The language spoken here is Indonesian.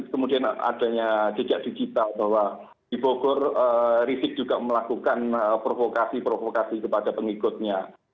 kemudian adanya jejak digital bahwa di bogor rizik juga melakukan provokasi provokasi kepada pengikutnya